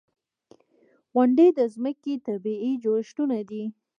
• غونډۍ د ځمکې طبعي جوړښتونه دي.